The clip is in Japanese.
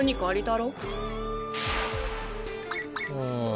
ああ。